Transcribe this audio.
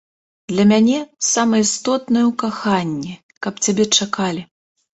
Для мяне самае істотнае ў каханні, каб цябе чакалі.